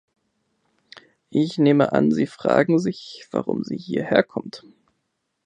Ich nehme an, Sie fragen sich, warum sie hierher kommt.